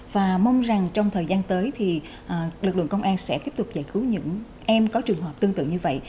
và mong rằng trong thời gian tới thì lực lượng công an sẽ tiếp tục giải cứu những em có trường hợp tương tự như vậy